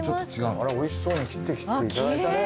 あらおいしそうに切ってきていただいたね。